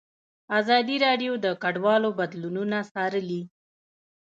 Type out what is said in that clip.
ازادي راډیو د کډوال بدلونونه څارلي.